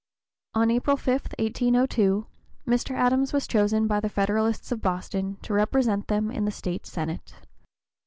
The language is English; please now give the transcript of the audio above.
On April 5, 1802, Mr. Adams was chosen by the Federalists of Boston to represent them in the State Senate.